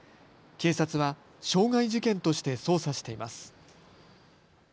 警察は傷害事件として捜査しています。